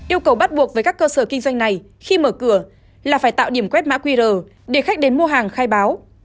yêu cầu bắt buộc với các cơ sở kinh doanh này khi mở cửa là phải tạo điểm quét mã qr để khách đến mua hàng khai báo